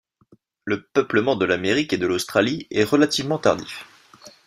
Le peuplement de l'Amérique et de l'Australie est relativement tardif.